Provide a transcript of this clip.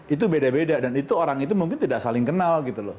itu beda beda dan itu orang itu mungkin tidak saling kenal gitu loh